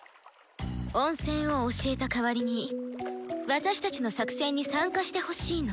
温泉を教えた代わりに私たちの作戦に参加してほしいの。